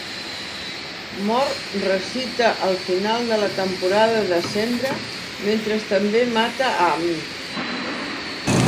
Mort recita el final de la Temporada de sembra, mentre també mata a Amy.